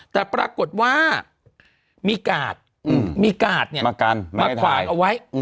แต่ปรากฏว่ามีกาดมีกาดมาขวางเอาไว้